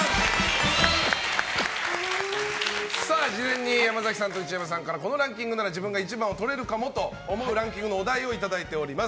事前に山崎さんと内山さんからこのランキングなら自分が１位をとれるかもと思うランキングのお題をいただいております。